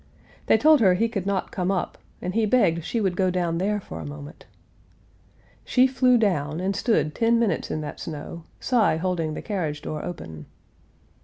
They told her he could not come up and he begged she would go down there for a moment. She flew down, and stood ten minutes in that snow, Cy holding the carriage door open.